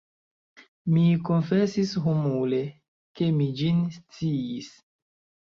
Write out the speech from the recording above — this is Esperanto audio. Mi konfesis humile, ke mi ĝin sciis.